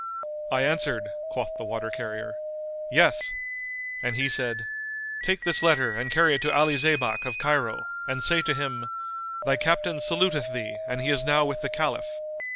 "I answered (quoth the water carrier), Yes; and he said, Take this letter and carry it to Ali Zaybak of Cairo and say to him, Thy Captain saluteth thee and he is now with the Caliph.